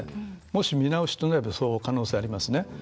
もし、見直しとなればその可能性ありますね。